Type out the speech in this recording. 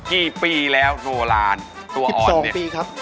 กี่ปีแล้วโนลานตัวอ่อนเนี่ย๑๒ปีครับ